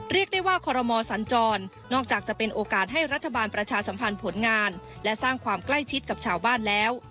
เรียกได้ว่าคอรมอสัญจรนอกจากจะเป็นโอกาสให้รัฐบาลประชาสัมพันธ์ผลงานและสร้างความใกล้ชิดกับชาวบ้านแล้ว